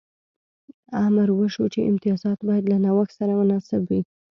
امر وشو چې امتیازات باید له نوښت سره متناسب وي